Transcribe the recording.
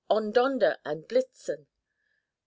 on, Donder and Blitzen !